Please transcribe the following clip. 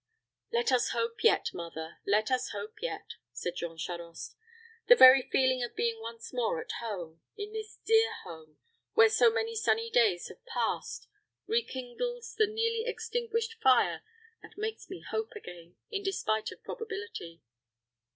"Let us hope yet, mother let us hope yet," said Jean Charost. "The very feeling of being once more at home in this dear home, where so many sunny days have passed rekindles the nearly extinguished fire, and makes me hope again, in despite of probability."